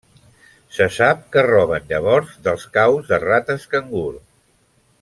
Se sap que roben llavors dels caus de rates cangur.